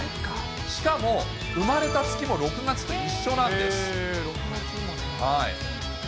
しかも、生まれた月も６月と一緒なんです。